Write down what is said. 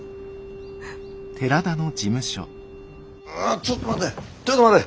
あっちょっと待て。